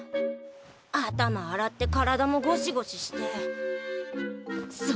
頭洗って体もゴシゴシしてそうだ！